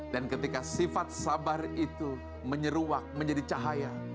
ketika sifat sabar itu menyeruak menjadi cahaya